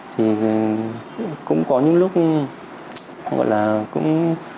thì cũng có những lúc gọi là cũng